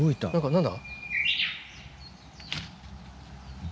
何だ？